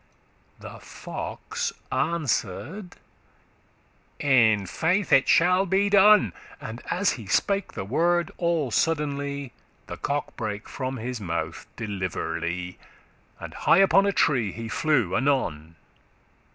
'" The fox answer'd, "In faith it shall be done:" And, as he spake the word, all suddenly The cock brake from his mouth deliverly,* *nimbly And high upon a tree he flew anon.